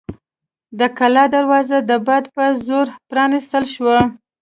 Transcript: د کلا دروازه د باد په زور پرانیستل شوه.